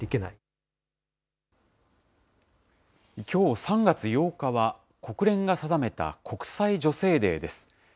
きょう３月８日は、国連が定めた国際女性デーです。